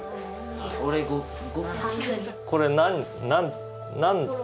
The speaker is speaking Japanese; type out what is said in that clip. これ何？